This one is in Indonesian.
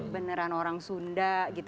beneran orang sunda gitu